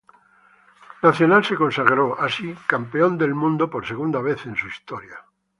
Nacional se consagró, así, campeón del mundo por segunda vez en su historia.